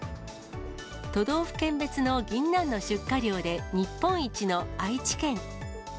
都道府県別のぎんなんの出荷量で日本一の愛知県。